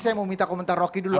saya mau minta komentar rocky dulu